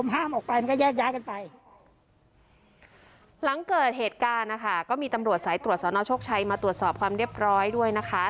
หลังเกิดเหตุการณ์นะคะก็มีตำรวจสายตรวจสอนอาชกชัยมาตรวจสอบความเรียบร้อยด้วยนะคะ